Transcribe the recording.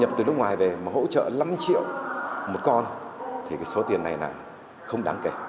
hỗ trợ năm triệu một con thì số tiền này là không đáng kể